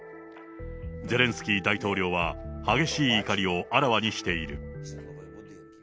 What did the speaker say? ゼレンスキー大統領は、激しい怒りをあらわにしている。